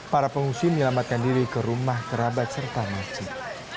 para pengungsi menyelamatkan diri ke rumah kerabat serta masjid